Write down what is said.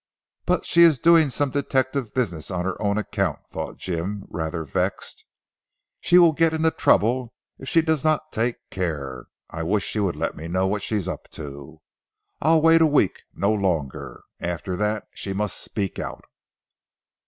"But she is doing some detective business on her own account," thought Jim rather vexed. "She will get into trouble if she does not take care. I wish she would let me know what she is up to. I'll wait a week, no longer. After that, she must speak out."